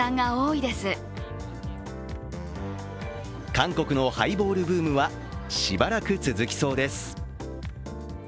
韓国のハイボールブームはしばらく続きそうです。